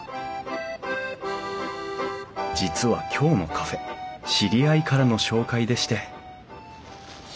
実は今日のカフェ知り合いからの紹介でして。